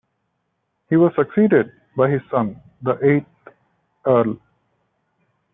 He was succeeded by his son, the eighth Earl.